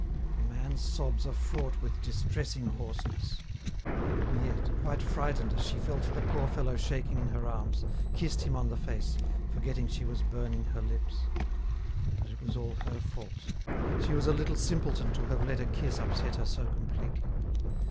A man's sobs are fraught with distressing hoarseness. Miette, quite frightened as she felt the poor fellow shaking in her arms, kissed him on the face, forgetting she was burning her lips. But it was all her fault. She was a little simpleton to have let a kiss upset her so completely.